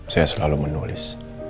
saya selalu menulis